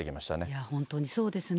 いや本当にそうですね。